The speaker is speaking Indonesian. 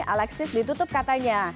alexis ditutup katanya